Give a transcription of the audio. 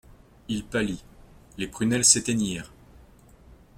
Il pâlit, les prunelles s'éteignirent.